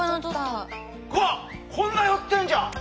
こんな寄ってんじゃん！